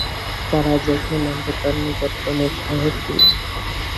তারা যেখানে নামবে তার নিকটতম শহর কী?